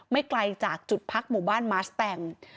ไกลจากจุดพักหมู่บ้านมาสแตม